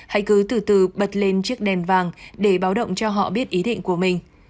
hãy cứ từ từ bật lên chiếc đèn vàng để báo động cho họ biết ý định của mình